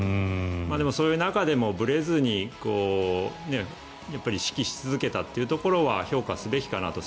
でも、そういう中でもぶれずに指揮し続けたということは評価すべきかなと。